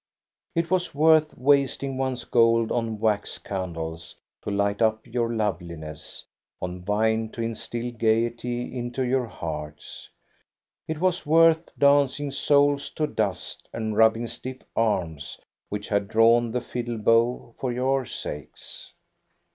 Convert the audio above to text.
It was worth wasting one's gold on wax candles to light up your loveliness, on wine to instil gayety into your hearts ; it was worth dancing soles to dust and rubbing stiff arms which had drawn the fiddle bow, for your sakes.